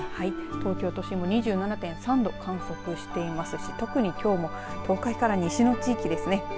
東京都心も２７．３度観測していますし特にきょうも東海から西の地域ですね